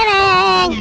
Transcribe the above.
ini tuh pak